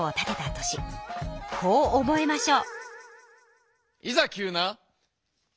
こう覚えましょう。